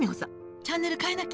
チャンネル替えなきゃ。